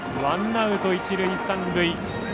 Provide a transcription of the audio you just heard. ワンアウト、一塁三塁。